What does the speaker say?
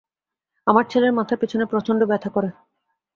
আমার ছেলের মাথার পিছনে প্রচন্ড ব্যথা করে।